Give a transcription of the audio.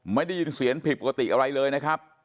ไม่ได้ยินเสียงผิดปกติอะไรเลยนะครับ